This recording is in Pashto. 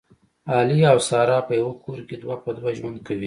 علي او ساره په یوه کور کې دوه په دوه ژوند کوي